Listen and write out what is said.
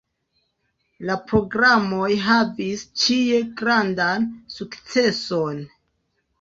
La programoj havis ĉie grandan sukceson.